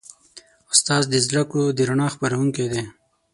استاد د زدهکړو د رڼا خپروونکی دی.